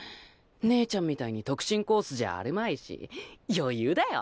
姉ちゃんみたいに特進コースじゃあるまいし余裕だよ。